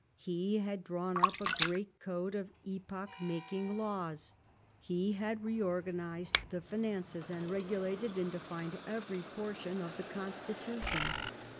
He had drawn up a great code of epoch making laws. He had reorganised the finances, and regulated and defined every portion of the constitution.